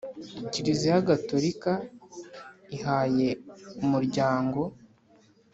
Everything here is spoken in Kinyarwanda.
Kiliziya Gatolika ihaye Umuryango